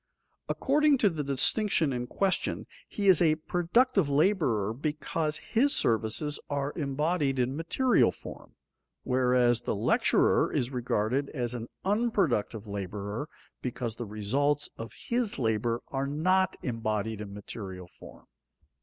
According to the distinction in question, he is a productive laborer because his services are embodied in material form, whereas the lecturer is regarded as an unproductive laborer because the results of his labor are not embodied in material form.